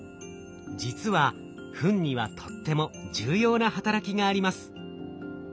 実はフンにはとっても重要な働きがあります。